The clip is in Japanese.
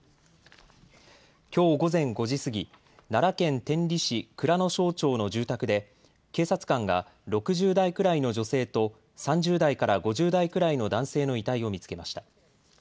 きょう午前５時過ぎ、奈良県天理市蔵之庄町の住宅で警察官が６０代くらいの女性と３０代から５０代くらいの男性の遺体を見つけました。